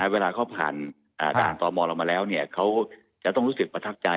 เวลาเขาผ่านการตอนมแล้วเขาต้องรู้สึกประทับใจ